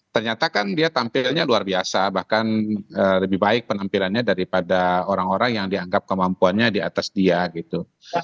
ternyata kan dia tampilnya luar biasa bahkan lebih baik penampilannya daripada orang orang yang dianggap kemampuannya di atas dia gitu